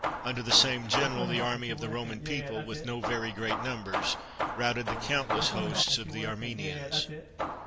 Under the same general the army of the Roman people, with no very great numbers, routed the countless hosts of the Armenians.